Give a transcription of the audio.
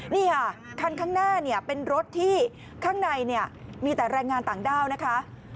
นี่ค่ะคันข้างหน้าเนี่ยเป็นรถที่ข้างในมีแต่แรงงานต่างด้าวนะคะ